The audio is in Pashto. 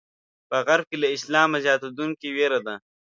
په غرب کې له اسلامه زیاتېدونکې وېره ده.